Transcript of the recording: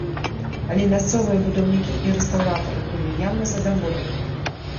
Але мясцовыя будаўнікі і рэстаўратары былі яўна задаволеныя.